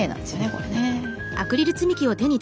これね。